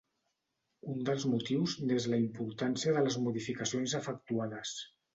Un dels motius n'és la importància de les modificacions efectuades.